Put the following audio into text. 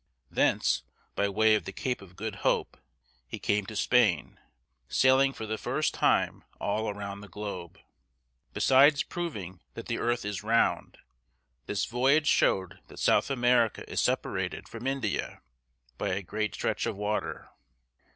Thence, by way of the Cape of Good Hope, he came to Spain, sailing for the first time all around the globe. Besides proving that the earth is round, this voyage showed that South America is separated from India by a great stretch of water.